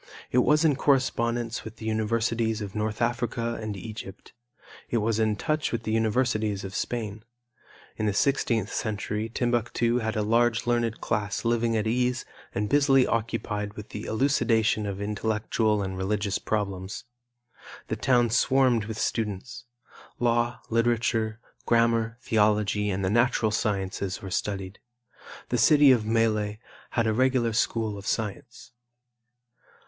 It was in correspondence with the universities of North Africa and Egypt. It was in touch with the universities of Spain. In the sixteenth century Timbuctu had a large learned class living at ease and busily occupied with the elucidation of intellectual and religious problems. The town swarmed with students. Law, literature, grammar, theology and the natural sciences were studied. The city of Melle had a regular school of science.